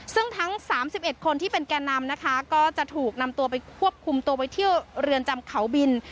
ซึ่งทั้ง๓๑คนที่เป็นแก่นำนะคะก็จะถูกนำตัวไปควบคุมตัวไว้ที่เรือนจำเขาบิน